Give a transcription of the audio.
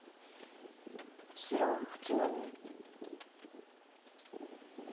白８の二。